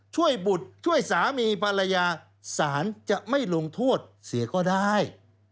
บุตรช่วยสามีภรรยาสารจะไม่ลงโทษเสียก็ได้